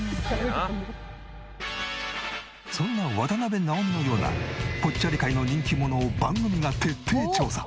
そんな渡辺直美のようなぽっちゃり界の人気者を番組が徹底調査！